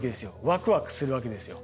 ワクワクするわけですよ。